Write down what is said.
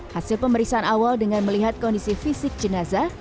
hasil pemeriksaan awal dengan melihat kondisi fisik jenazah